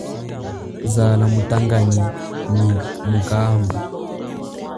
Zala mutanganyi nyi mukaba.